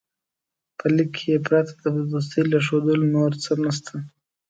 په لیک کې پرته د دوستۍ له ښودلو نور څه نسته.